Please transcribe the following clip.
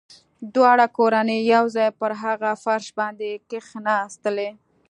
دواړه کورنۍ يو ځای پر هغه فرش باندې کښېناستلې.